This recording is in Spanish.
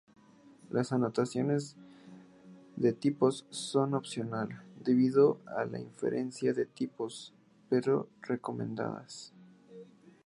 Las anotaciones de tipos son opcionales, debido a la inferencia de tipos, pero recomendadas.